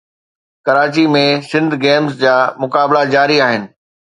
Karachi ۾ Sindh games جا مقابلا جاري آهن